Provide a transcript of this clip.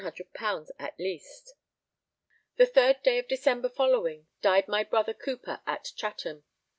_ at least. The 3rd day [of] December following, died my brother Cooper at Chatham.